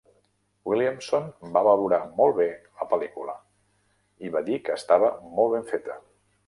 Williamson va valorar molt bé la pel·lícula i va dir que estava "molt ben feta".